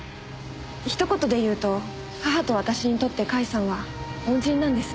ひと言で言うと母と私にとって甲斐さんは恩人なんです。